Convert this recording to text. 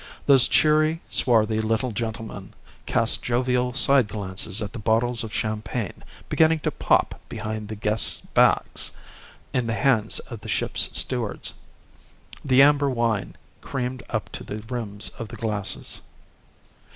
Those cheery, swarthy little gentlemen cast jovial side glances at the bottles of champagne beginning to pop behind the guests' backs in the hands of the ship's stewards. The amber wine creamed up to the rims of the glasses.